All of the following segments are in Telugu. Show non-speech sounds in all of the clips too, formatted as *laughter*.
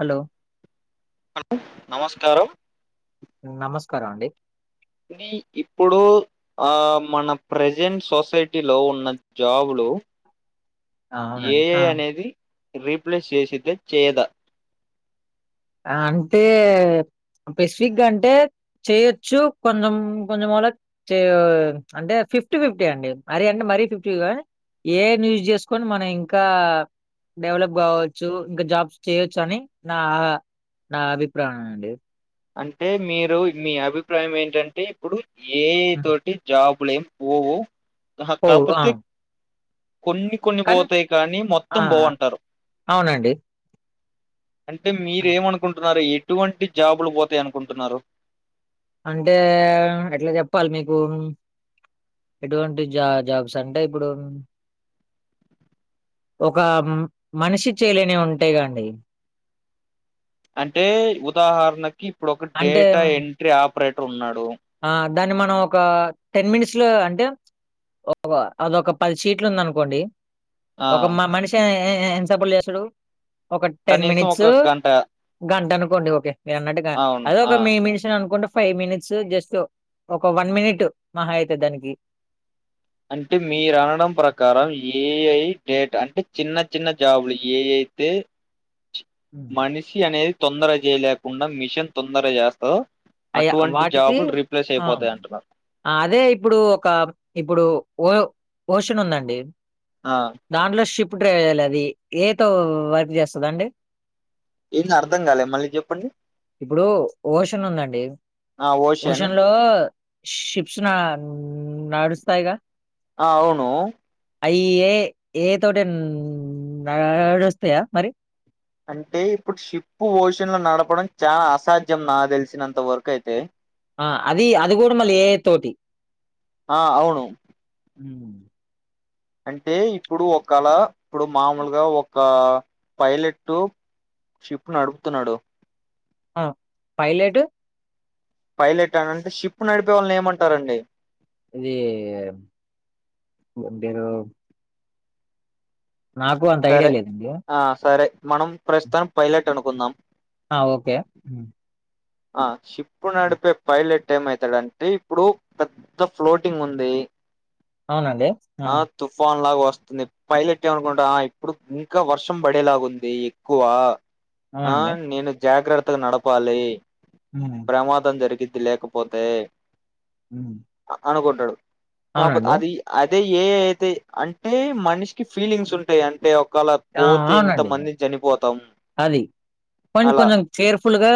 హలో హలో నమస్కారం నమస్కారం అండి మీ ఇప్పుడు ఆ మన ప్రజెంట్ సొసైటీ లో ఉన్న జాబులు ఆ! ఏ అవునండి. ఐ ఆ! అనేది రీప్లేస్ చేసిద్ద చేయదా అంటే పెసిఫిక్గ అంటే చేయొచ్చు కొంచం కొంచెం *unintelligible* అంటే ఫిఫ్టీ ఫిఫ్టీ అండి అరే అండి మరీ *unintelligible* ఏఐ ని యూస్ చేసుకొని మనం ఇంకా డెవలప్ కావచ్చు ఇంక జాబ్స్ చేయొచ్చు అని నా నా అభిప్రాయం అండి అంటే మీరు మీ అభిప్రాయం ఏంటంటే ఇప్పుడు ఏ ఐ హ్మ్. తో జాబులేం పోవు ఓహ్! ఆ! కాకపోతే కొన్ని కొన్ని కానీ పోతాయి కానీ ఆ! మొత్తం పోవంటరు అవునండి. అంటే మీరేమనుకుంటున్నారు ఎటువంటి జాబులు పోతాయి అనుకుంటున్నారు అంటే ఎట్ల చెప్పాలి మీకు ఎటువంటి జ జాబ్స్ అంటే ఇబ్బుడు ఒక మనిషి చేయలేనివి ఉంటాయి గా అండి అంటే ఉదాహరణకి ఇప్పుడు ఒక అంటే డేట హ్మ్. ఎంట్రీ ఆపరేటర్ ఉన్నారు ఆ దాన్ని మనం ఒక టెన్ మినిట్స్ లో అంటే అదొక పది షీట్లు ఉంది అనుకోండి ఆ ఒక మా మనిషి *unintelligible* టెన్ కనీసం మినిట్స్ ఒక గంట గంట అనుకోండి ఓకే మీ అన్నట్టుగ అవును అద ఒక ఆ మే మినిషిని అనుకోంటే ఫైవ్ మినిట్స్ జస్ట్ ఒక వన్ మినిట్ మహా అయితే దానికి అంటే మీరు అనడం ప్రకారం ఏఐ గ్రేట్ అంటే చిన్న చిన్న జాబులు ఏ అయితే హ్మ్. మనిషి అనేది తొందర చేయలేకుండా మిషన్ తొందర చేస్తదొ అయ్యా! అటువంటి వాటికి జాబులు రీప్లేస్ ఆ! అయిపోతాయి అంటున్న అదే ఇప్పుడు ఒక ఇప్పుడు ఓ ఓషన్ ఉందండి ఆ దాంట్లో షిప్ డ్రైవర్లు అది ఏ తో వర్క్ చేస్తది అండి ఏంది అర్థం కాలే మళ్ళీ చెప్పండి ఇప్పుడు ఓషన్ ఉందం *unintelligible* ఆ ఓషన్ ఒషన్ లో షిప్స్ నా నడుస్తాయిగా ఆ అవును అవి ఏ ఏ తోటి నడుస్తాయా మరి అంటే ఇప్పుడు షిప్ ఓషన్ లో నడపడం చాల అసాధ్యం నా తెలిసినంత వరకు అయితే ఆ అది అది కూడ మళ్ళీ ఏ ఐ తోటి ఆ అవును అంటే ఇప్పుడు ఒకళ ఇప్పుడు మామూలుగా ఒక పైలెటు షిప్ నడుపుతున్నాడు ఆ పైలెటు పైలెట్ అని అంటే షిప్ నడిపే వాళ్ళని ఏమంటారండి ఇది *unintelligible* నాకు అంత ఐడియా సరే లేదండి. హ్మ్. ఆ సరే మనం ప్రస్తుతానీకి పైలెట్ అనుకుందాం ఆ ఓకే ఆ షిప్ హ్మ్. నడిపే పైలెట్ ఏమైతాడంటే ఇప్పుడు పెద్ద ఫ్లోటింగ్ ఉంది అనండి ఆ తుఫాన్ లాగ వస్తుంది పైలెట్ ఏమనుకుంటా ఇప్పుడు ఇంకా వర్షం పడేలాగు ఉంది ఎక్కువ ఆ అవునండి. నేను జాగ్రత్తగ నడపాలి హ్మ్. ప్రమాదం జరిగిద్ది లేకపోతే మ్మ్ అనుకుంటాడు కాకపో అది అతే ఏ అయితే అంటే మనిషికి ఫీలింగ్స్ ఉంటాయి అంటే ఒకళ ఆ! పోతే అవునండి. ఇంతమంది చనిపోతాం కని అలా కొంచెం కేర్ఫుల్ గా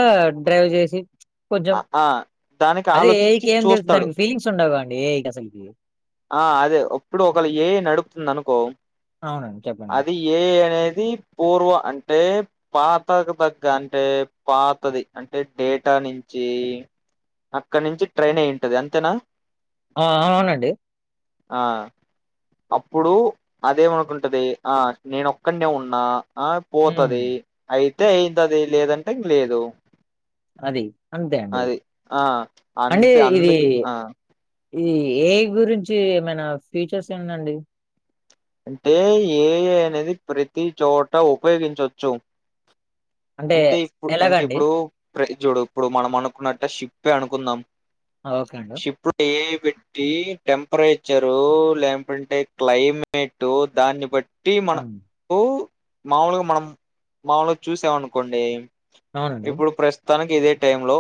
డ్రైవ్ చేసి కొంచెం ఆ ఆ, దానికి అదే ఆలోచించి ఏఐకి ఏం తెలుస్తు చూస్తాడు దానికి ఫీలింగ్స్ ఉండవుండి ఏఐకి అసలకి ఆ అదే అప్పుడు ఒకళ ఏ ఐ నడుపుతుంది అనుకో అవునండి చెప్పండి అది ఏ ఐ అనేది పూర్వ అంటే పాతకు తగ్గ అంటే పాతది అంటే డేటా నించి అక్కడ నుంచి ట్రైన్ అయ్ ఉంటది అంతేనా ఆ అ అవునండి ఆ అప్పుడు అదేమనుకుంటది ఆ నేను ఒక్కనే ఉన్నా ఆ హ్మ్. పోతది అయితే అయితది లేదంటే లేదు అది. అంతే అండి. అది ఆ అంతే అందుకు ఆ ఈది ఏ ఐ గురించి ఏమైనా ఫ్యూచర్స్ ఏందండి అంటే ఏ ఐ అనేది ప్రతి చోట ఉపయోగించచ్చు అంటే ఇప్పు అంటే ఎలాగండి? ఇప్పుడు చూడు ఇప్పుడు మనం అనుకున్నట్టే షిప్పే అనుకుందాం ఆ! ఓకే అండి. షిప్ ఏ ఐ పెట్టి టెంపరేచరు లేకుంటే క్లైమే మేటు దాన్ని బట్టి మన అవును. పూ మాముూలుగా మనం మాములుగా చూసామనుకోండి అవునండి. ఇప్పుడు ప్రస్ తనకి ఇదే టై లో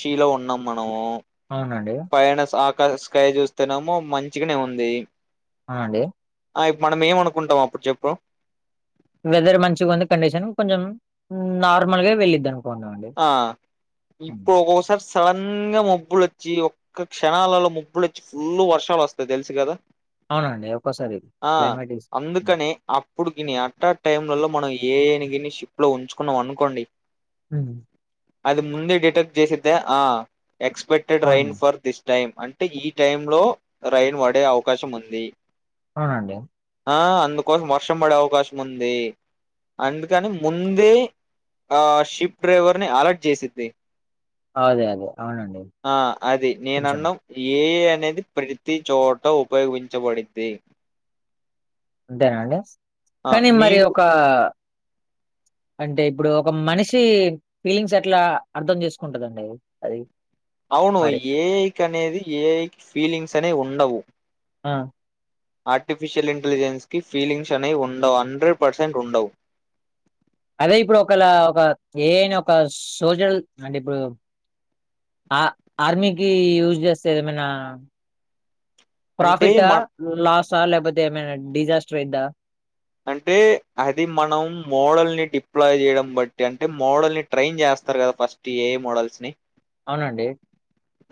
షీలో ఉన్నాం మనము అవునండి పైన స ఆకా స్కై చూస్తునేమో మంచిగనే ఉంది అవునండి ఆ ఇ మనం ఏమనుకుంటాం అప్పు చెప్పు వెదర్ మంచిగుంది కండిషన్ కొంచెం నార్మల్గా వెళ్ళిద్దనుకో ఆ ఇప్పోకోకోసారి సడన్ గా ముబ్బులొచ్చి ఒక్క క్షణాలలో ముబ్బలు వచ్చి ఫుల్లు వర్షాలు వస్తాయి తెలుసు కదా అవునండి ఒక్కోసారి క్లైమేట్ ఇస్ అందుకని అప్పుడుకిని అట్ట టైమ్లలో మనం ఏ ఐ ని గిని షిప్ లో ఉంచుకున్నాం అనుకోండి హ్మ్మ్ అది ముందే డిటెక్ట్ చేసద్దే ఆ ఎక్స్పెక్టెడ్ రైన్ అవును. ఫర్ దిస్ టైం అంటే ఈ టైమ్ లో రైన్ పడే అవకాశం ఉంది అవునండి ఆ అందుకోసం వర్షం పడే అవకాశం ఉంది అందుకని ముందే ఆ షిప్ డ్రైవర్ ని అలర్ట్ చేసిద్ది అదే. అదే. అవునండి. ఆ అది కొంచెం నేనన్నాం ఏ ఐ అనేది ప్రతి చోట ఉపయోగించబడిద్ది అంతేనండి ఆ కానీ మరి మీకు ఒక అంటే ఇప్పుడు ఒక మనిషి ఫీలింగ్స్ ఎట్లా అర్ధం చేసుకుంటదండి అది అది అవును మరి. ఏఐ కనేది ఏ ఫీలింగ్స్ అనే ఉండవు ఆ ఆర్టిఫిషియల్ ఇంటెలిజెన్స్ కి ఫీలింగ్స్ అనేవి ఉండవు హండ్రెడ్ పర్సెంట్ ఉండవు అదే ఇప్పుడు ఒకళ ఒక ఏ అనా ఒక సోచల్ అంటే ఇప్పుడు ఆ ఆర్మీకి యూజ్ చేస్తే ఏమైనా అంటే ప్రాఫిటా మ లాసా లేకపోతే ఏమైనా డిజాస్టర్ అయిందా అంటే అది మనం మోడల్ని డిప్లాయ్ చేయడం బట్టి అంటే మోడల్ని ట్రైన్ చేస్తారు కదా ఫస్ట్ ఏఐ మోడల్స్ ని అవునండి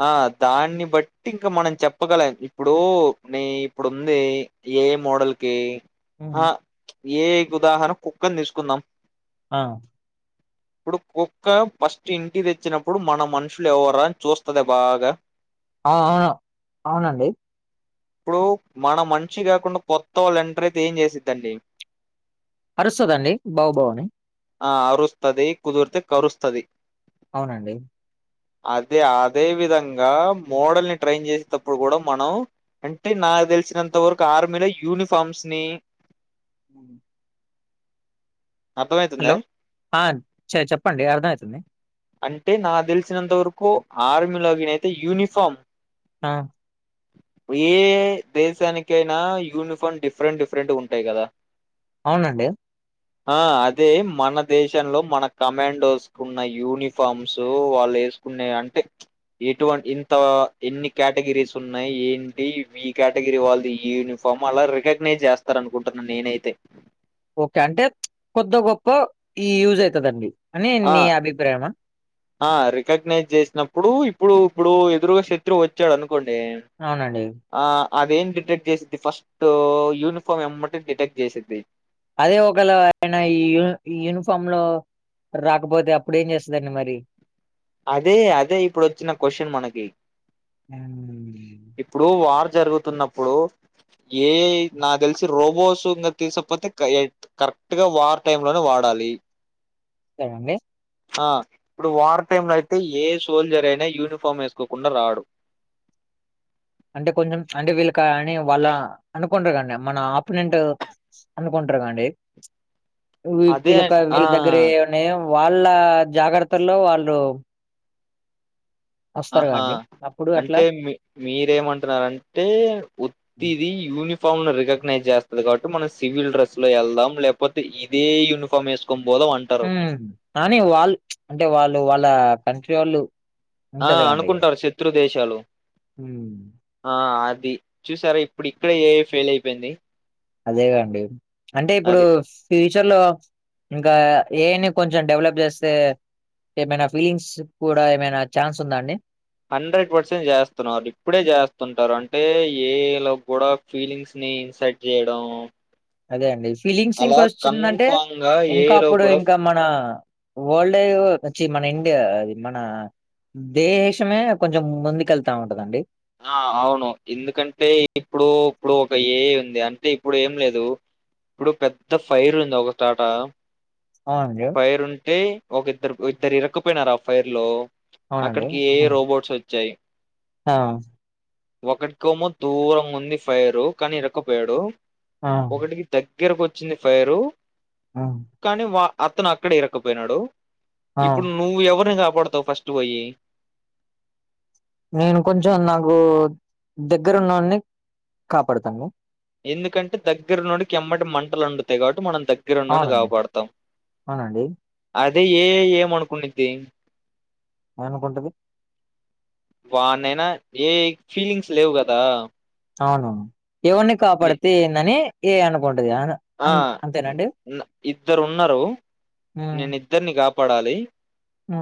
ఆ దాన్ని బట్టి ఇంకా మనం చెప్పగలం ఇప్పుడు న ఇప్పుడు ఉంది ఏ మోడల్ కి హ్మ్. ఆ ఏ ఉదాహరణ కుక్కని తీసుకుందాం ఆ ఇప్పుడు కుక్క ఫస్ట్ ఇంటి తెచ్చినప్పుడు మన మనుషులు ఎవరా అని చూస్తుద బాగా అ అవును అవునండి ఇప్పుడు మనం మంచి కాకుండా కొత్త వాళ్ళు ఎంటర్ అయితే ఏం చేసి ద్దండీ అరుస్తుదండి బౌ బౌని ఆ అరుస్తది కుదుర్తే కరుస్తది అవునండి అదే అదే విధంగా మోడల్ని ట్రైన్ చేసేటప్పుడు కూడా మనం అంటే నాకు తెలిసినంత వరకు ఆర్మీలో యూనిఫార్మ్స్ ని ఉ హలో అర్థమవుతుందా చెప్పండి అర్థమయితుంది అంటే నాకు తెలిసినంత వరకు ఆర్మీలోగినయితే యూనిఫామ్ ఆ ఏ దేశానికైనా యూనిఫార్మ్ డిఫరెంట్ డిఫరెంట్ ఉంటు తే కదా అవునండి ఆ అదే మన దేశంలో మన కమాండోస్ ఉన్న యూనిఫామ్స్ వాళ్ళు కున్నా అంటే ఎటువంటి ఇంత ఎన్ని కేటగిరీస్ ఉన్నాయి ఏంటి ఈ కేటగిరీ వాళ్ళు యూనిఫా ఫమ్ అలా రికగ్నైజ్ చేస్తారనుకుంటున్నాను నేనైతే ఓకే అంటే కొద్దో గొప్ప ఈ యూజయితదండి అని ఆ నీ అభిప్రాయ ఆ రికగ్నైజ్ చేసినప్పుడు ఇప్పుడు ఇప్పుడు ఎదురుగా శత్రువు వచ్చాడు అనుకోండి అవునండి ఆ అదేం డిటెక్ట్ చేసిద్ది ఫస్ట్ యూనిఫామ్ ఎమ్మంట డిటెక్ట్ చేసిద్ది అదే ఒకళ ఆయన ఈ యూ యూనిఫామ్ లో రాకపోతే అప్పుడేం చేస్తుందండి మరి అదే అదే ఇప్పుడు వచ్చిన క్వషన్ మనకి హ్మ్. ఇప్పుడు వార్ జరుగుతున్నప్పుడు ఏఐ నా తెలిసి రోబోస్ తీసపోతే కరెక్ట్ గా వారు టైం లోనే వాడాలి సేయండి ఆ ఇప్పుడు వార్ టైమ్ లో అయితే ఏ సోల్జర్ అయినా యూనిఫామ్ వేసుకోకుండా రాడు అంటే కొంచెం అంటే వీళ్ళ కా అని వాళ్ళ అనుకుంటారు కండి మన ఆపోనెంట్ అనుకుంటరు కాండి అదే వీళ్ళకి ఆ వీళ్ళ దగ్గర అ వాళ్ళ జాగ్రత్తలో వాళ్ళు వస్తారు ఆహా కదండీ. అప్పుడు అట్లా అంటే మీ మీరేమంటున్నారంటే హ్మ్. ఇది యూనిఫామ్ లో రికగ్నైజ్ చేస్తది కాబట్టి మనం సివిల్ డ్రెస్ లో వెళ్దాం లేకపో పోతే ఇదే యూనిఫార్మ్ వేసుకోనీ పోదాం అన్ కానీ వాళ్ళు అంటే వాళ్ళు వాళ్ళ కంట్రీ వాళ్ళు ఆ అనుకుంటారు శత్రు దేశాలు ఉమ్ ఆ అది చూసారా ఇప్పుడు ఇక్కడ ఏఐ ఫెయిల్ అయిపోయింది అదేగాండి అంటే ఇప్పుడు అది ఫ్యూచర్ లో ఇంకా ఏఐని కొంచెం డెవలప్ చేస్తే ఏమైనా ఫీలింగ్స్ కూడా ఏమైనా ఛాన్స్ ఉందా అండి హండ్రెడ్ పర్సెంట్ చేస్తున్నారు ఇప్పుడే చేస్తుంటారు అంటే ఏఐ లో కూడా ఫీలింగ్స్ ని ఇన్సర్ట్ చేయడం అదే అండి ఫీలింగ్స్ ఇంక అలా వస్తుందంటే కన్ఫామ్ గా ఇంకా ఏఐ లో అప్పుడు కూడా ఇంకా మన వరల్డ్ వచ్చి మన ఇండియా అది మన దేశమే కొంచెం ముందుకెళ్తా ఉంటదండి ఆ అవును ఎందుకంటే ఇప్పుడు ఇప్పుడు ఒక ఏఐ ఉంది అంటే ఇప్పుడు ఏం లేదు ఇప్పుడు పెద్ద ఫైర్ ఉంది ఒకటాట అవును ఫైర్ ఉంటే ఒక ఇద్దరు ఇద్దరు ఇరక్కుపోయినారు ఆ ఫైర్ లో అవునండి అక్కడికి ఏఐ హ్మ్. రోబోట్స్ వచ్చాయి ఆ ఒకటికోమో దూరంగా ఉంది ఫైరు కానీ ఇరుక్కుపోయాడు ఆ ఒకనికి దగ్గరకు వచ్చింది ఫైరు ఆ కానీ వా అతను అక్కడే ఇరక్కపోయినాడు ఆ ఇప్పుడు నువ్వు ఎవరిని కాపాడతావు ఫస్ట్ పోయి నేను కొంచెం నాకు దగ్గర ఉన్నవాన్ని కాపాడతాను ఎందుకంటే దగ్గర ఉన్నోడికి ఎమ్మటె మంటలు అంటుతాయి కాబట్టి మనం దగ్గ దగ్గరున్నోని అవునండి కాపాడతాం అవునండి అదే ఏఐ ఏమనుకునిద్ది ఏమనుకుంటది వానైనా ఏఐ కి ఫీలింగ్స్ లేవు కదా అవును ఎవన్నీ ని- కాపాడితే ఏందని ఏఐ అనుకుంటది అవునా ఆ ఇద్దరు ఉన్నరు నేను ఇద్దరిని కాపాడాలి ఆ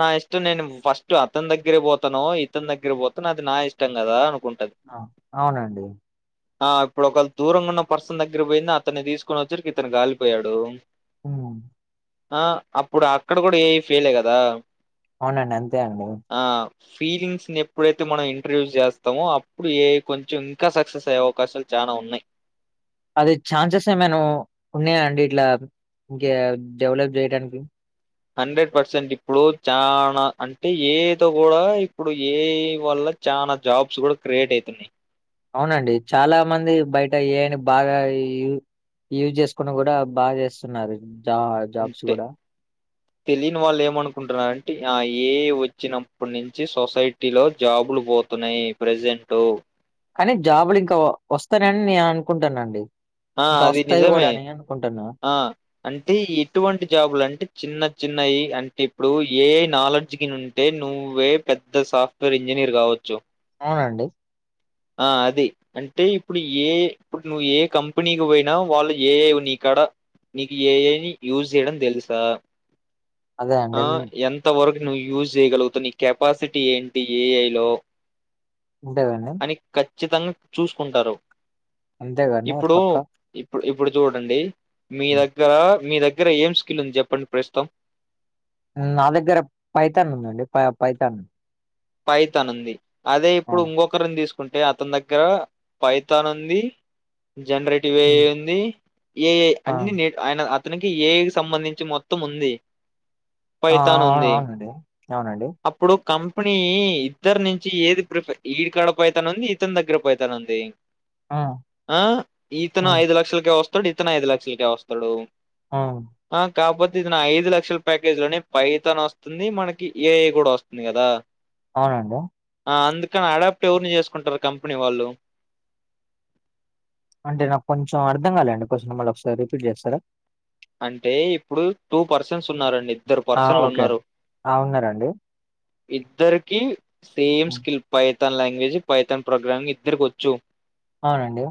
నా ఇష్టం నేను ఫస్ట్ అతని దగ్గరే పోతనో ఇతని దగ్గర పోతనో అది నా ఇష్టం కదా అనుకుంటది ఆ అవునండి ఆ ఇప్పుడు ఒకలు దూరంగా ఉన్న పర్సన్ దగ్గర పోయింది అతన్ని తీసుకొని వచ్చరికి ఇతను కాలిపోయాడు ఉమ్ ఆ అప్పుడు అక్కడ కూడా ఏఐ ఫెయిలే కదా అవునండి అంతే అండి ఆ ఫీలింగ్స్ ని ఎప్పుడైతే మనం ఇంట్రడ్యూస్ చేస్తామో అప్పుడు ఏఐ కొంచెం ఇంకా సక్సెస్ అయ్యే అవకాశాలు చానా ఉన్నయి అది ఛాన్సెస్ ఏమైనా ఉన్నయా అండి ఇట్లా ఇంకా డెవలప్ చేయడానికి హండ్రెడ్ పర్సెంట్ ఇప్పుడు చానా అంటే ఏఐ తో కూడా ఇప్పుడు ఏఐ వల్ల చానా జాబ్స్ కూడా క్రియేట్ అవుతున్నాయి అవునండి చాలా మంది బయట ఏ ఐ అని బాగా యూ యూజ్ చేసుకుని కూడా బాగా చేస్తున్నారు జా జాబ్స్ ఇంతే కూడా తెలియని వాళ్ళు ఏమనుకుంటున్నారంటే ఆ ఏ ఐ వచ్చినప్పటి నుంచి సొసైటీ లో జాబులు పో తున్నాయి ప్రెజెంట్ కానీ జాబులు ఇంకా వస్తానయి అని నే అనుకుంటానండి ఆ ఇంకా అది వస్తాయి కూడా నిజమే అని అనుకుంటున్నా ఆ అంటే ఎటువంటి జాబులు అంటే చిన్న చిన్నవి అంటే ఇప్పుడు ఏ ఐ నాలెడ్జ్ కి నుం అంటే నువ్వే పెద్ద సాఫ్ట్వేర్ ఇంజనీర్ కావచ్చు అవునండి ఆ అది అంటే ఇప్పుడు ఏ ఐ ఇప్పుడు నువ్వు ఏ ఐ కంపె ఇప్పుడు నీకు పోయినా వాళ్ళు ఏ ఐ నీకాడ నీకు ఏ ఐ యూజ్ చేయడం తెలుసా అదే అండి ఆ ఎంత త వరకు నువ్వు యూజ్ చేయగలుగుతవు నీ కెపాసిటీ ఏంటి ఏ ఐ లో ఉంటదండి అని ఖచ్చితంగా చూసుకుంటారు అంతేగా అన్న పక్క ప్పుడు ఇప్పుడు చూడండి మీ హ్మ్. దగ్గర మీ దగ్గర ఏం స్కిల్ ఉంది చెప్పండి ప్రస్తుతం నా దగ్గర పైతాన్ ఉందండి ప పైతాన్ పైతాన్ ఉంది అదే ఆ ఇప్పుడు ఇంకొక ఇంకొక్కర్ నీ తీసుకుంటే అతని దగ్గర పైతాన్ ఉంది జనరేట్ వ ఐ హ్మ్. ఉంది ఏఐ ఆ అన్ని న ఆయన అతనికి ఏ ఐ సంబంధించి మొత్తం ఉంది ఆ అవు అవునండి అవునండి ఇప్పుడు కాం పెని ఇద్దరు నుంచి ఏది ప్రిఫర్ ఈడికాడ పైతాను ఉంది ఇతని దగ్గర పైతాను ఉంది ఆ ఆ ఆ ఇతను ఐదు లక్షలకే వస్తాడు ఇతను ఐదు లక్షలకే వస్తాడు ఆ ఆ కాకపోతే ఇదిను ఐదు లక్షల ప్యాకేజ్ లోని పైతాన్ వస్త వస్తుంది మనకి ఏఐ కూడా వస్తుంది కదా అవునండి అందుకని అడాప్ట్ ఎవరిని చేసుకుంటారు కంపెనీ వాళ్ళు అంటే నాకు కొంచెం అర్థకాలేదండి కొంచెం మళ్ళీ ఒకసారి రిపీట్ చేస్తారా అంటే ఇప్పుడు టూ పర్సన్స్ ఉన్నారండి ఇద్దరు ఆ పర్సన్లు ఓకే ఉన్నారు ఆ ఉన్నారండి ఇద్దరికి సేమ్ హ్మ్. Skill Python language Python program ఇద్దరికి వచ్చు అవునండి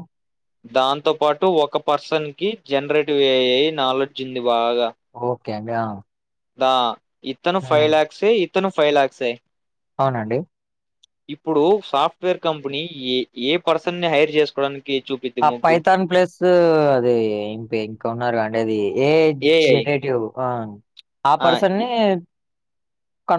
దాంతో పాటు ఒక పర్సన్ కి జనరేటివ్ ఏఐ నాలెడ్జ్ ఉంది బాగా ఓకే అండి ఆ దా ఇతను ఫైవ్ హ్మ్ లాక్స్ ఇతను ఫైవ్ లాక్స్ అవునండి ఇప్పుడు సాఫ్ట్వేర్ కంపెనీ ఏ ఏ పర్సన్ ని హైర్ చేసుకోవడానికి చూపి ఆ పైథాన్ ప్లేస్ అది ఇం ఇంకా ఉన్నారు అంటే అది ఏజ్ ఏఐ జెనిటివ్ ఆ పర్సన్ ని కను